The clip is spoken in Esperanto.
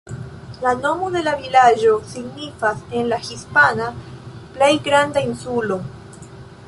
La nomo de la vilaĝo signifas en la hispana "Plej granda insulo".